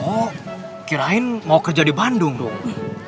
mau kirain mau kerja di bandung dong